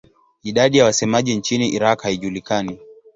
Idadi ya wasemaji nchini Iraq haijulikani.